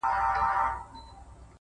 غزل ژړيږې عبادت کړي راته داسې وايي”